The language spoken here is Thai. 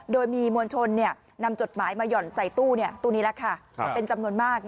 โดยมีมวลชนนำจดหมายมาหย่อนใส่ตู้นี้แล้วค่ะเป็นจำนวนมาก